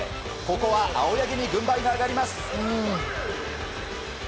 ここは青柳に軍配が上がります。